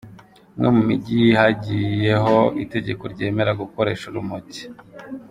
Umwe mumigi Hagiyeho itegeko ryemera gukoresha urumogi